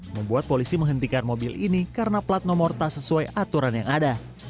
membuat polisi menghentikan mobil ini karena plat nomor tak sesuai aturan yang ada